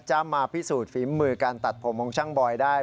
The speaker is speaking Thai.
มาพิสูจน์ฝีมือการตัดผมของช่างบอยได้